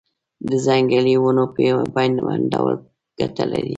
د ځنګلي ونو پیوندول ګټه لري؟